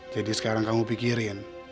jadi sekarang kamu pikirin